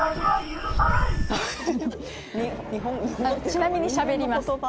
ちなみに、しゃべります。